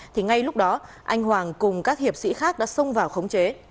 thì ngay lúc đó anh hoàng cùng các hiệp sĩ khác đã xông vào khống chế